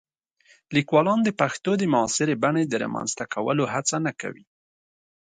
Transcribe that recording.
لیکوالان د پښتو د معاصرې بڼې د رامنځته کولو هڅه نه کوي.